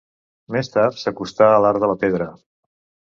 Més tard, s'acostà a l'art de la pedra.